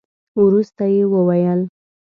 وروسته يې وويل.